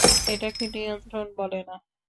এটাকে নিয়ন্ত্রণ বলে না।